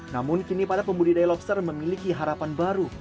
namun kini para pembudidaya lobster memiliki harapan baru